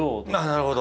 なるほど。